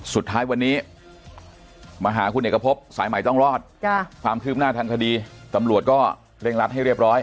สุดท้ายวันนี้มาหาคุณเอกพบสายใหม่ต้องรอดความคืบหน้าทางคดีตำรวจก็เร่งรัดให้เรียบร้อย